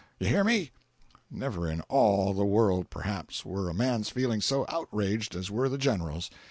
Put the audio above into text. You hear me!" Never in all the world, perhaps, were a man's feelings so outraged as were the General's.